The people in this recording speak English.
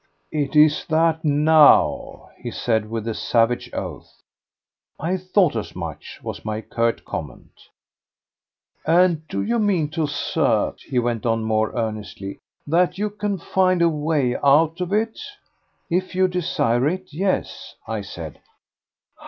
"It is that now," he said with a savage oath. "I thought as much," was my curt comment. "And do you mean to assert," he went on more earnestly, "that you can find a way out of it?" "If you desire it—yes!" I said.